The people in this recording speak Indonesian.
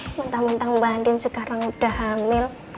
eh muntah muntah mba andien sekarang udah hamil